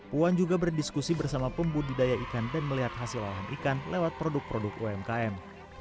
puan juga berdiskusi bersama pembudidaya ikan dan melihat hasil olahan ikan lewat produk produk umkm